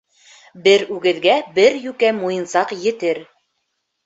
Бер үгеҙгә бер йүкә муйынсак етер.